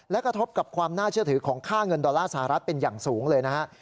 และกระทบกับความน่าเชื่อถือของค่าเงินดอลลาร์สหรัฐเป็นอย่างสูงเลยนะฮะ